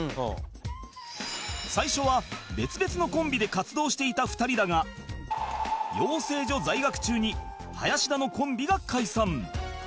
最初は別々のコンビで活動していた２人だが養成所在学中に林田のコンビが解散